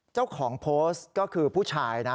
เจ้าของโพสต์ก็คือผู้ชายนะ